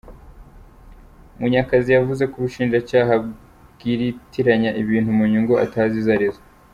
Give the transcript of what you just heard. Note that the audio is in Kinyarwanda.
Munyakazi yavuze ko ubushinjacyaha bwiritiranya ibintu mu nyungu atazi izo ari zo.